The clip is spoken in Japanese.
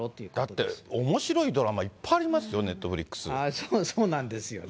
だっておもしろいドラマ、いっぱいありますよ、ネットフリッそうなんですよね。